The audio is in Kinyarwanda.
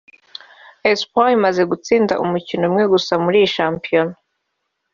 Espoir imaze gutsinda umukino umwe gusa muri iyi shampiyona